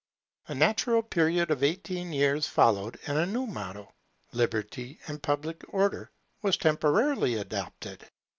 A neutral period of eighteen years followed, and a new motto, Liberty and Public Order, was temporarily adopted.